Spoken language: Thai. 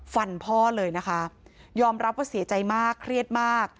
ฟันพ่อเลยนะคะยอมรับว่าเสียใจมากเครียดมาก